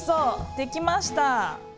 できました！